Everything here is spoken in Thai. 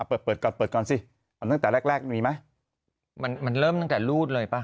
เปิดเปิดก่อนเปิดก่อนสิตั้งแต่แรกแรกมีไหมมันมันเริ่มตั้งแต่รูดเลยป่ะ